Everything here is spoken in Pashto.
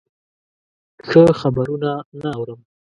ښه خبرونه نه اورم.